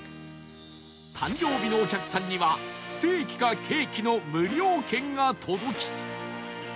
誕生日のお客さんにはステーキかケーキの無料券が届き